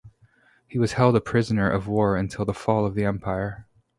He was held a prisoner of war until the fall of the empire.